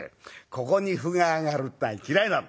ここに歩が上がるってのは嫌いなの。